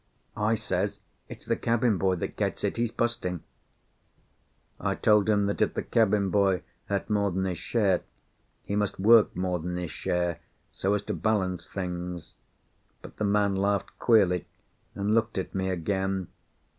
I says it's the cabin boy that gets it. He's bu'sting." I told him that if the cabin boy ate more than his share, he must work more than his share, so as to balance things. But the man laughed queerly, and looked at me again.